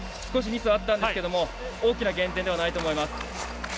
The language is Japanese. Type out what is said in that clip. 少しミスはあったんですけど大きな減点ではないと思います。